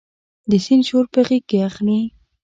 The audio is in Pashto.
د سیند شور په غیږ کې اخلي